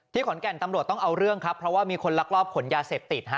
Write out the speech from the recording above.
ขอนแก่นตำรวจต้องเอาเรื่องครับเพราะว่ามีคนลักลอบขนยาเสพติดฮะ